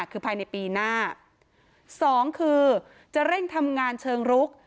คือภายในปีหน้าสองคือจะเร่งทำงานเชิงรุก